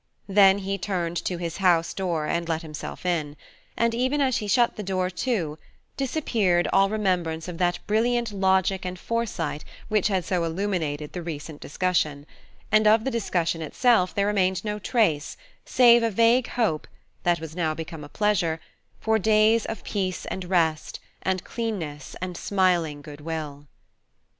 Then he turned to his house door and let himself in; and even as he shut the door to, disappeared all remembrance of that brilliant logic and foresight which had so illuminated the recent discussion; and of the discussion itself there remained no trace, save a vague hope, that was now become a pleasure, for days of peace and rest, and cleanness and smiling goodwill.